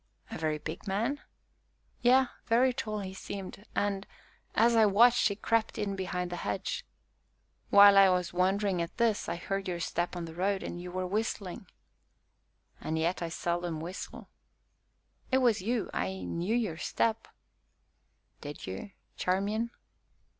"A very big man?" "Yes, very tall he seemed, and, as I watched, he crept in behind the hedge. While I was wondering at this, I heard your step on the road, and you were whistling." "And yet I seldom whistle." "It was you I knew your step." "Did you, Charmian?"